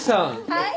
はい？